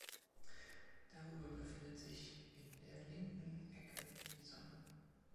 Darüber befindet sich in der linken Ecke die Sonne.